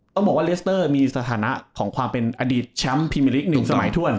ก็บอกว่าเรสเตอร์มีสถานะของความเป็นอดีตแชมป์พิเมอร์ลีกหนึ่งสมัยถ้วน